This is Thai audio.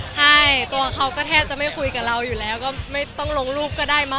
ใช่ตัวเขาก็แทบจะไม่คุยกับเราอยู่แล้วก็ไม่ต้องลงรูปก็ได้มั